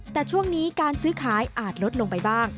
แต่ช่วงนี้การซื้อขายอาจลดลงไปบ้าง